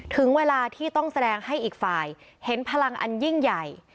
ถึงเวลาที่ต้องแสดงให้อีกฝ่ายเห็นพลังอันยิ่งใหญ่